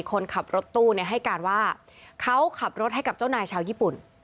คนขับรถตู้ให้การว่าเขาขับรถให้กับเจ้านายชาวญี่ปุ่น